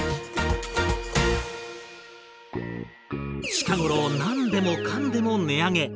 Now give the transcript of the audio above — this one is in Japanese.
近頃何でもかんでも値上げ。